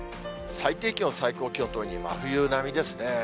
最低気温、最高気温ともに真冬並みですね。